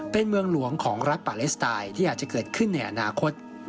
เป็นเมืองหลวงของรัฐปาเลสไตน์ที่อาจจะเกิดขึ้นในอนาคต